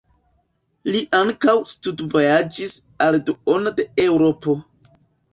Li ankaŭ studvojaĝis al duono de Eŭropo.